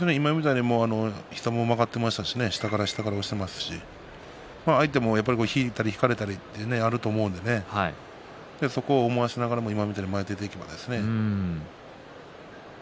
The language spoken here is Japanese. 膝も曲がっていましたし下から下から押していますし相手も引いたり引かれたりあると思うのでそこを押しながら前に出ていけばですね。